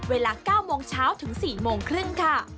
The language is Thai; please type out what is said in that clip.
เวลา๙โมงเช้าถึง๔โมงครึ่งค่ะ